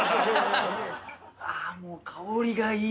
あもう香りがいい。